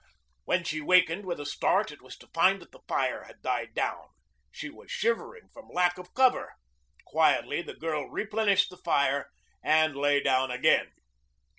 When she wakened with a start it was to find that the fire had died down. She was shivering from lack of cover. Quietly the girl replenished the fire and lay down again.